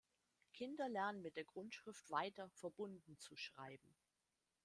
Kinder lernen mit der Grundschrift weiter, verbunden zu schreiben.